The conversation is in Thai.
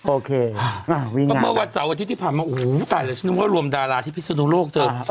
โอเคเมื่อวันเสาร์อาทิตย์ที่ผ่านมาโอ้โหตายแล้วฉันนึกว่ารวมดาราที่พิศนุโลกเธอ